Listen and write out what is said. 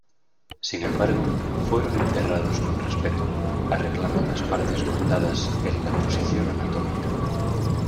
Sin embargo, fueron enterrados con respeto, arreglando las partes cortadas en la posición anatómica.